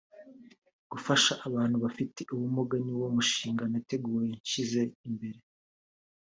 Gufasha abantu bafite ubumuga ni wo mushinga nateguye nshyize imbere